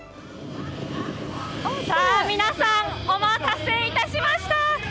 さあ皆さん、お待たせいたしました。